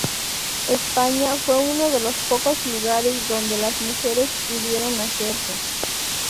España fue uno de los pocos lugares donde las mujeres pudieron hacerlo.